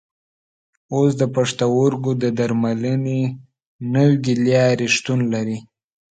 اوس د پښتورګو د درملنې نوې لارې شتون لري.